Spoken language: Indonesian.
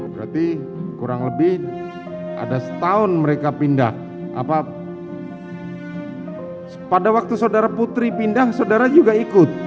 berarti kurang lebih ada setahun mereka pindah pada waktu saudara putri pindah saudara juga ikut